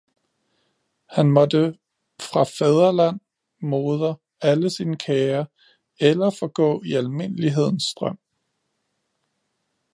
han måtte fra fædreland, moder, alle sine kære, eller forgå i almindelighedens strøm.